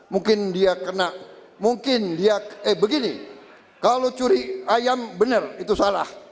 mungkin dia kena mungkin dia eh begini kalau curi ayam benar itu salah